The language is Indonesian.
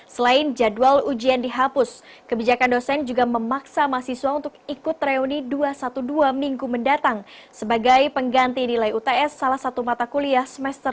selain jadwal ujian dihapus kebijakan dosen juga memaksa mahasiswa untuk ikut reuni dua ratus dua belas minggu mendatang sebagai pengganti nilai uts salah satu mata kuliah semester tiga